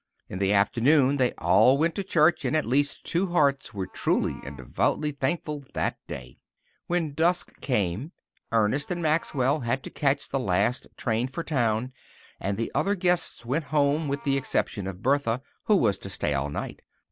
In the afternoon they all went to church, and at least two hearts were truly and devoutly thankful that day. When the dusk came, Ernest and Maxwell had to catch the last train for town, and the other guests went home, with the exception of Bertha, who was to stay all night.